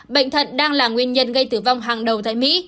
bệnh thận đang là nguyên nhân gây tử vong hàng đầu tại mỹ